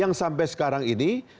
yang sampai sekarang ini